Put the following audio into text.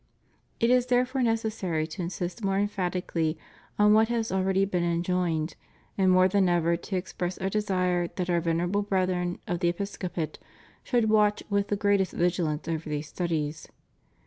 It is therefore necessary to insist more emphatically on what has already been enjoined and more than ever to express Our desire that Our Vener able Brethren of the episcopate should watch with the greatest vigilance over these studies.